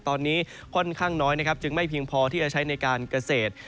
ตอนนี้ค่อนข้างน้อยนะครับจึงไม่เพียงพอที่จะใช้ในการเกษตร